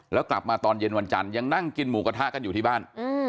แล้วกลับมาตอนเย็นวันจันทร์ยังนั่งกินหมูกระทะกันอยู่ที่บ้าน